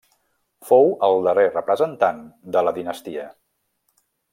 Fou el darrer representant de la dinastia.